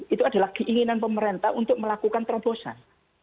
itu adalah keinginan pemerintah untuk melakukan terobosan